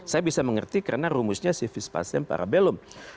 saya bisa mengerti karena rumusnya civis pasem para bellum